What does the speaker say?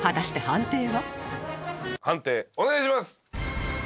判定お願いします！